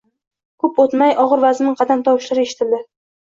Ko`p o`tmay og`ir-vazmin qadam tovushlari eshitildi